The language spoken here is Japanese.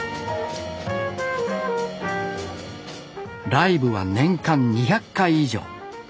ライブは年間２００回以上。